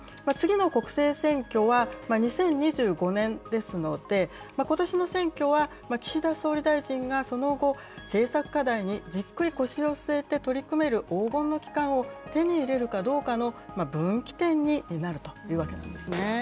次の国政選挙は２０２５年ですので、ことしの選挙は、岸田総理大臣がその後、政策課題にじっくり腰を据えて取り組める黄金の期間を手に入れるかどうかの分岐点になるというわけなんですね。